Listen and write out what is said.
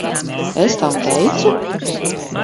Es tā teicu?